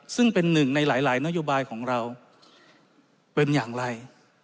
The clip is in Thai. ซึ่งเป็นหนึ่งในหลายนโยบายของเราเป็นอย่างไร